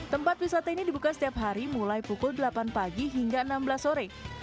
tempat wisata ini dibuka setiap hari mulai pukul delapan pagi hingga enam belas sore